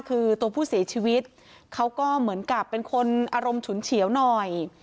เขาก็เหมือนกับเป็นคนอารมณ์ฉุนเฉียวหน่อย